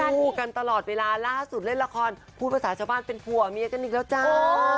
คู่กันตลอดเวลาล่าสุดเล่นละครพูดภาษาชาวบ้านเป็นผัวเมียกันอีกแล้วจ้า